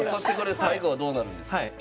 最後はどうなるんですか？